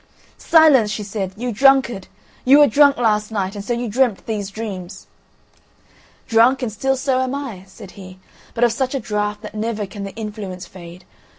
"Silence!" she said, "you drunkard. You were drunk last night, and so you dreamt these dreams." "Drunk, and still so am I," said he, "but of such a draught that never can the influence fade.